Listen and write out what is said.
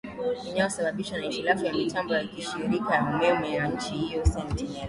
inayosababishwa na hitilafu ya mitambo ya shirika la umeme la nchi hiyo senelel